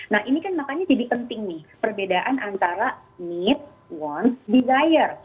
nah ini kan makanya jadi penting nih perbedaan antara need want desire